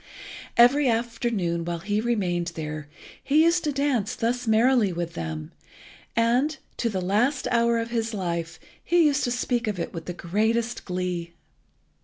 Every afternoon while he remained there he used to dance thus merrily with them, and, to the last hour of his life, he used to speak of it with the greatest glee.